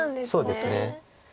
そうですね。